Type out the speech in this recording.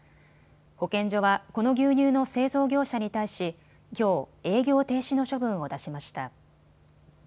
保健所はこの牛乳の製造業者に対しきょう、営業停止の処分を出しました。